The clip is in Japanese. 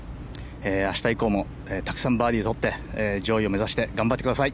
明日以降もたくさんバーディーとって上位を目指して頑張ってください。